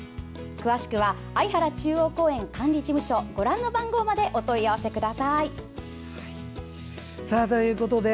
詳しくは相原中央公園管理事務所までお問い合わせください。